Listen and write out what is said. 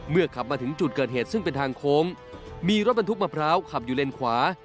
ขับมาถึงจุดเกิดเหตุซึ่งเป็นทางโค้งมีรถบรรทุกมะพร้าวขับอยู่เลนขวา